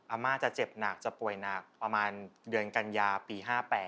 อาม่าจะเจ็บหนักจะป่วยหนักประมาณเดือนกัญญาปี๕๘